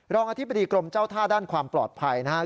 อธิบดีกรมเจ้าท่าด้านความปลอดภัยนะครับ